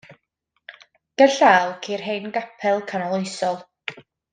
Gerllaw, ceir hen gapel Canoloesol.